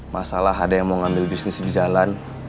masalah ada yang mau ngambil bisnis di jalan